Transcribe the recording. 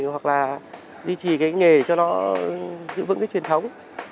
hoặc là duy trì cái nghề cho nó giữ vững cái truyền thống